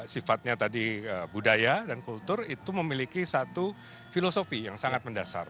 sifatnya tadi budaya dan kultur itu memiliki satu filosofi yang sangat mendasar